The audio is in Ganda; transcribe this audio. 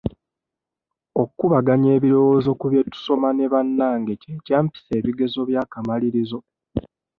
Okubaganya ebirowoozo ku bye tusoma ne bannange kye kyampisa ebigezo by'akamalirizo.